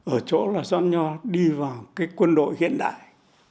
ở chỗ là don nho đi vào cái quân đội hiện đại